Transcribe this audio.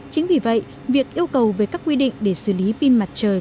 chính vì vậy việc yêu cầu về các quy định để xử lý pin mặt trời